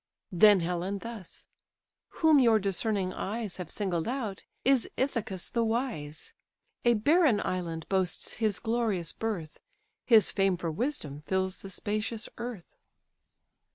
Then Helen thus: "Whom your discerning eyes Have singled out, is Ithacus the wise; A barren island boasts his glorious birth; His fame for wisdom fills the spacious earth."